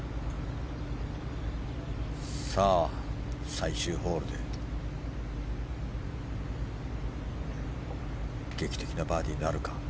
最終ホールで劇的なバーディーなるか。